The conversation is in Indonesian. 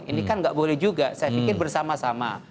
ini kan nggak boleh juga saya pikir bersama sama